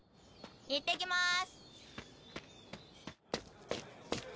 いってきます。